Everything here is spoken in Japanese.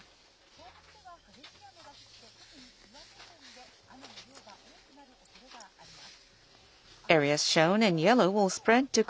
東北では激しい雨が降って特に岩手県で、雨の量が多くなるおそれがあります。